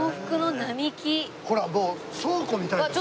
ほらもう倉庫みたいですよね。